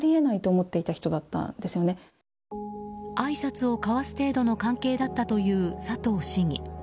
あいさつを交わす程度の関係だったという佐藤市議。